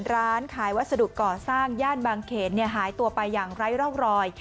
ร้านขายวัสดุก่อสร้างย่านบางเขนหายตัวไปอย่างไร้ร่องรอย